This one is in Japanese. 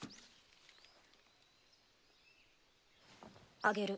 あげる。